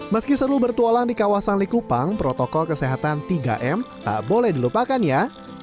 meski seru bertualang di kawasan likupang protokol kesehatan tiga m tak boleh dilupakan ya